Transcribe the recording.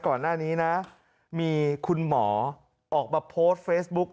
ก่อนหน้านี้นะมีคุณหมอออกมาโพสต์เฟซบุ๊ก